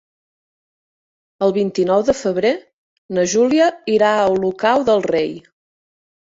El vint-i-nou de febrer na Júlia irà a Olocau del Rei.